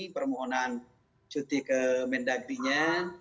permohonan cuti ke mendagri nya